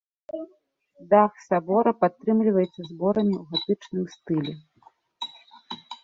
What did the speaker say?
Дах сабора падтрымліваецца зборамі ў гатычным стылі.